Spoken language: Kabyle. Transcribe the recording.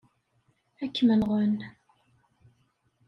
Ad kem-nɣen.